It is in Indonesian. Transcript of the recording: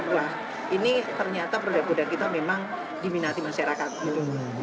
wah ini ternyata produk produk kita memang diminati masyarakat gitu